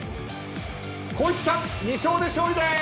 光一さん２勝で勝利でーす！